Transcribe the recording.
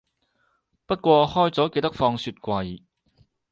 不過開咗記得放雪櫃